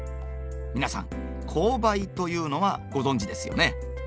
皆さん紅梅というのはご存じですよね。